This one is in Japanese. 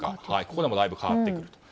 ここでもだいぶ変わってくる。